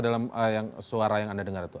dalam suara yang anda dengar itu